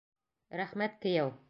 Рәхмәт, кейәү.